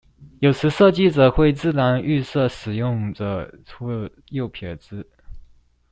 有時設計者會自然預設使用者是右撇子